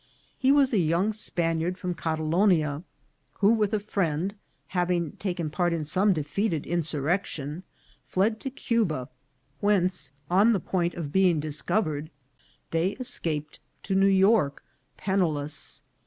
He was a young Spaniard from Catalonia, who, with a friend, having taken part in some defeated insurrection, fled to Cuba, whence, on the point of being discovered, they escaped to New York, penniless.